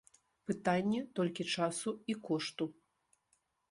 Пытанне толькі часу і кошту.